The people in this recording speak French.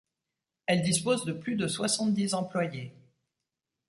Elle dispose de plus de soixante-dix employés.